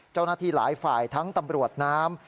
เจ้าหน้าที่หลายฝ่ายทั้งตำรวจน้ำ